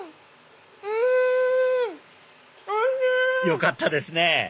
よかったですね！